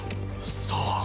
さあ？